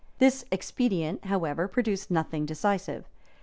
} This expedient, however, produced nothing decisive.